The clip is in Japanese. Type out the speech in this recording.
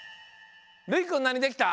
るいくんなにできた？